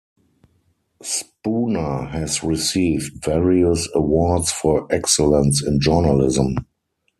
Spooner has received various awards for excellence in journalism.